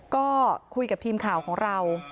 ก็คุยกับทีมข่าวของเรา